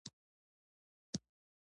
ایا معده مو دردیږي؟